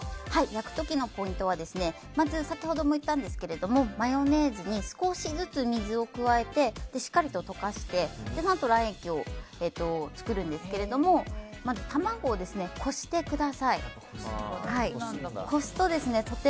焼く時のポイントは先ほども言ったんですけどマヨネーズに少しずつ水を加えてしっかりと溶かしてそのあと卵液を作るんですけどまず卵をこしてください。